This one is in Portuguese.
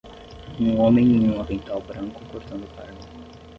Um homem em um avental branco cortando carne.